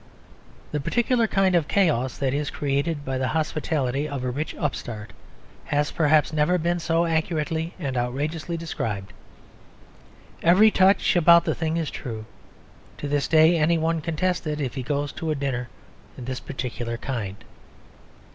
The particular kind of chaos that is created by the hospitality of a rich upstart has perhaps never been so accurately and outrageously described. Every touch about the thing is true; to this day any one can test it if he goes to a dinner of this particular kind.